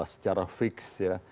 secara fix ya